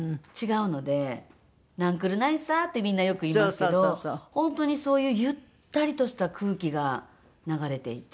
「なんくるないさ」ってみんなよく言いますけど本当にそういうゆったりとした空気が流れていて。